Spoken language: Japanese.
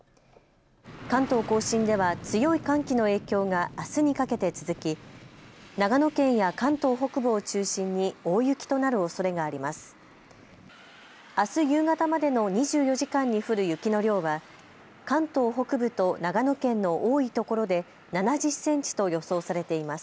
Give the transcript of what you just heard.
関東甲信では強い寒気の影響があすにかけて続き長野県や関東北部を中心に大雪となるおそれがあります。